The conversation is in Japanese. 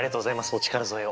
お力添えを。